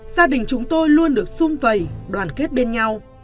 gia đình chúng tôi luôn được xung vầy đoàn kết bên nhau